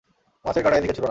মাছের কাঁটা এদিকে ছুঁড়ো না।